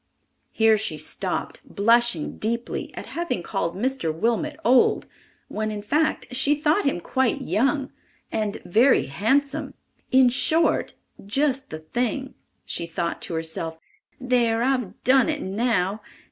Here she stopped, blushing deeply at having called Mr. Wilmot old, when in fact she thought him quite young, and very handsome—in short, "just the thing." She thought to herself, "There, I've done it now!